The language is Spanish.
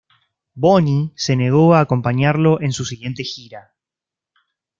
Bonnie se negó a acompañarlo en su siguiente gira.